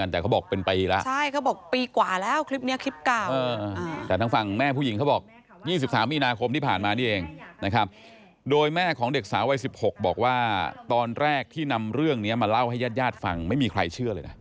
ตอนเด็กสาววัย๑๖บอกว่าตอนแรกที่นำเรื่องนี้มาเล่าให้ญาติฟังไม่มีใครเชื่อเลยนะ